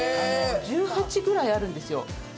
１８ぐらいあるんですよ。